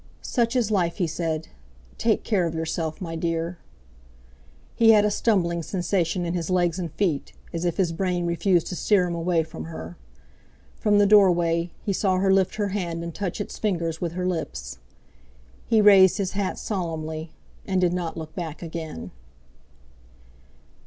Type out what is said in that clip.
"Such is life!" he said. "Take care of yourself, my dear!" He had a stumbling sensation in his legs and feet, as if his brain refused to steer him away from her. From the doorway, he saw her lift her hand and touch its fingers with her lips. He raised his hat solemnly, and did not look back again.